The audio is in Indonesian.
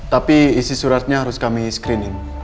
tapi isi suratnya harus kami screening